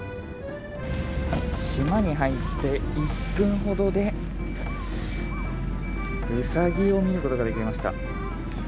島に入って１分ほどで、ウサギを見ることができました。